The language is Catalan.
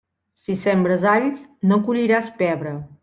Si sembres alls, no colliràs pebre.